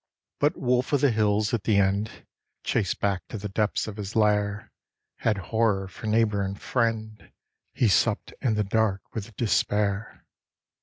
But wolf of the hills at the end chased back to the depths of his lair Had horror for neighbour and friend he supped in the dark with despair.